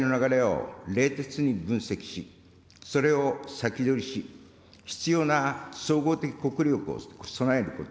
時代の流れを冷徹に分析し、それを先取りし、必要な総合的国力を備えること。